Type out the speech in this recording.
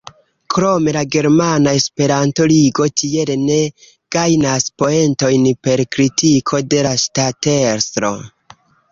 Krome la Germana Esperanto-Ligo tiele ne gajnas poentojn per kritiko de la ŝtatestro.